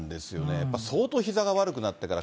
やっぱ、相当ひざが悪くなってから。